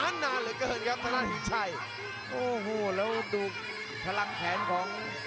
แชลเบียนชาวเล็ก